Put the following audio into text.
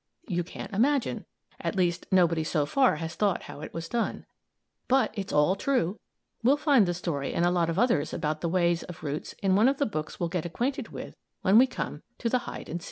You can't imagine; at least, nobody so far has thought how it was done. But it's all true. We'll find the story and a lot of other things about the ways of roots in one of the books we'll get acquainted with when we come to the "Hide and Seek."